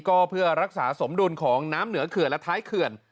ก็เพื่อรักษาสมดุลของน้ำเหนือเขื่อนและท้ายเขื่อน